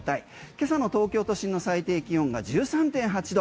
今朝の東京都心の最低気温が１３．８度。